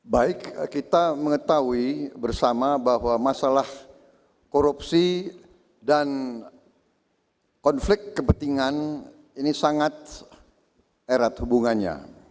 baik kita mengetahui bersama bahwa masalah korupsi dan konflik kepentingan ini sangat erat hubungannya